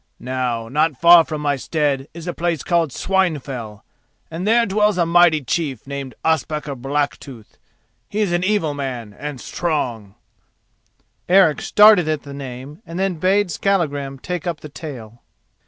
Now, not far from my stead is a place called Swinefell, and there dwells a mighty chief named Ospakar Blacktooth; he is an evil man and strong——" Eric started at the name and then bade Skallagrim take up the tale.